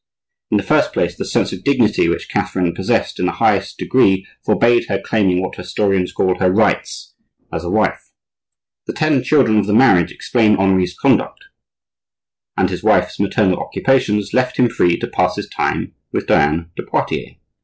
In the first place, the sense of dignity which Catherine possessed in the highest degree forbade her claiming what historians call her rights as a wife. The ten children of the marriage explain Henri's conduct; and his wife's maternal occupations left him free to pass his time with Diane de Poitiers.